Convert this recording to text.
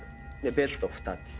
ベッド２つ。